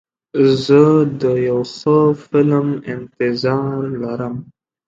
زه د یو ښه فلم انتظار لرم.